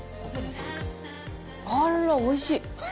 あっら、おいしい！